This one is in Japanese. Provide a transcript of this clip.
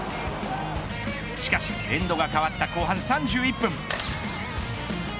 しかしエンドが変わった後半３１分。